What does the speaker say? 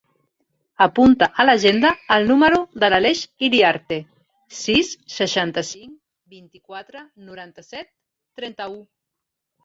Apunta a l'agenda el número de l'Aleix Iriarte: sis, seixanta-cinc, vint-i-quatre, noranta-set, trenta-u.